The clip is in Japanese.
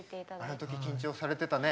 あの時緊張されてたね。